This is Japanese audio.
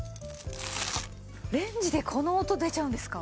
レンジでこの音出ちゃうんですか。